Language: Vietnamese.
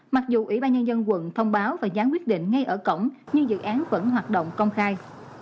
mặc dù ủy ban nhân dân quận thông báo và gián quyết định ngay ở cổng nhưng dự án vẫn hoạt động công khai